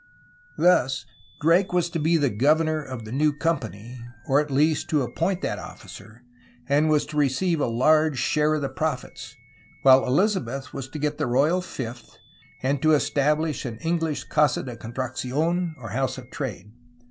Thus, Drake was to be the governor of the new company, or at least to appoint that officer, and was to receive a large share of the profits, while EUzabeth was to get the royal fifth and to establish an English Casa de Contratacion (House of Trade).